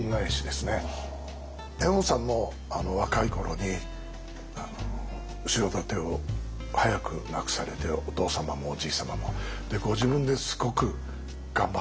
猿翁さんも若い頃に後ろ盾を早く亡くされてお父様もおじい様もご自分ですごく頑張ってらっしゃったんですね。